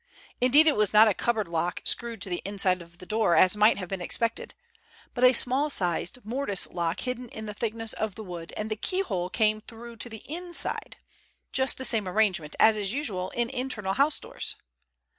Indeed, it was not a cupboard lock screwed to the inside of the door as might have been expected, but a small sized mortice lock hidden in the thickness of the wood, and the keyhole came through to the inside; just the same arrangement as is usual in internal house doors.